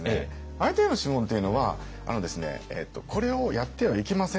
「相手への質問」っていうのは「これをやってはいけません」